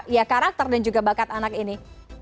ya karakter dan juga bakat anak ini